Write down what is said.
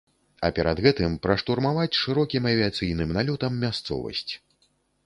А перад гэтым праштурмаваць шырокім авіяцыйным налётам мясцовасць.